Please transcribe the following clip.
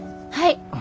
はい。